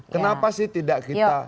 kenapa sih tidak kita